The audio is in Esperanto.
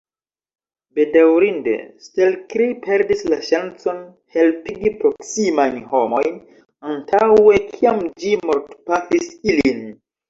Bedaŭrinde, Stelkri perdis la ŝancon helpigi proksimajn homojn antaŭe kiam ĝi mortpafis ilin.